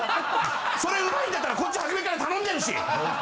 それ美味いんだったらこっち初めから頼んでるし！